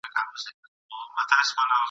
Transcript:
له یوې خوني تر بلي پوري تلمه !.